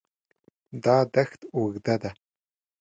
دا دښت اوږده ده.